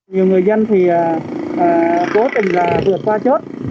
nhiều người dân thì cố tình là vượt qua chốt